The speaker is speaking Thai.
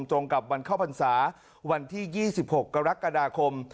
ตรงกับวันเข้าพรรษาวันที่๒๖กรกฎาคม